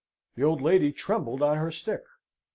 The old lady trembled on her stick.